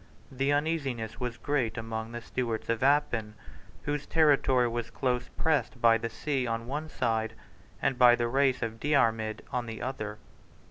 The uneasiness was great among the Stewarts of Appin, whose territory was close pressed by the sea on one side, and by the race of Diarmid on the other.